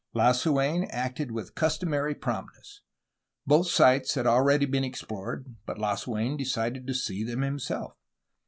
Lasu^n acted with customary promptness. Both sites had already been explored, but Lasu^n decided to see them himself.